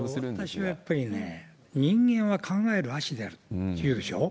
私はやっぱりね、人間は考える葦であるっていうでしょ。